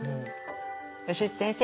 葭内先生